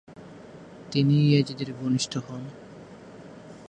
তিনি ইয়াজিদের ঘনিষ্ট হন।